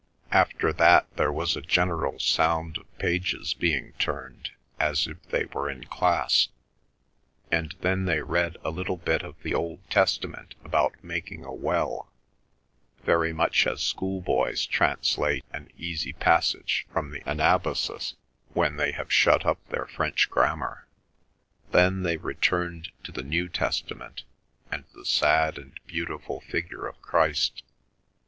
After that there was a general sound of pages being turned as if they were in class, and then they read a little bit of the Old Testament about making a well, very much as school boys translate an easy passage from the Anabasis when they have shut up their French grammar. Then they returned to the New Testament and the sad and beautiful figure of Christ.